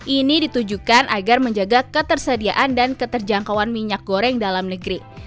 ini ditujukan agar menjaga ketersediaan dan keterjangkauan minyak goreng dalam negeri